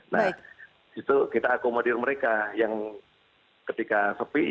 nah itu kita akomodir mereka yang ketika sepi